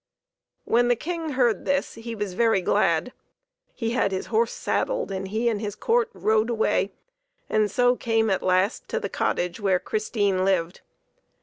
When the King heard this he was very glad ; he had his horse saddled, and he and his court rode away, and so came at last to the cottage where Christine lived.